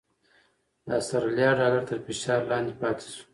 د اسټرالیا ډالر تر فشار لاندې پاتې شو؛